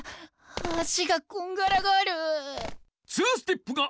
足がこんがらがる。